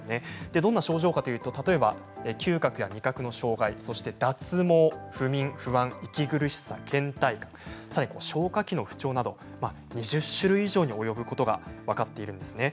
どんな症状かといいますと嗅覚や味覚の障害脱毛、不眠、不安、息苦しさけん怠感消化器の不調など２０種類以上にも及ぶことが分かっています。